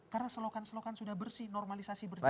karena selokan selokan sudah bersih normalisasi berjalan